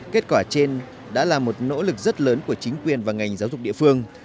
kết quả trên đã là một nỗ lực rất lớn của chính quyền và ngành giáo dục địa phương